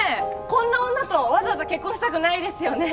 こんな女とわざわざ結婚したくないですよね